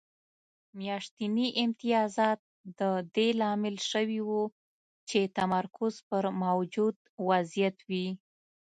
میاشتني امتیازات د دې لامل شوي وو چې تمرکز پر موجود وضعیت وي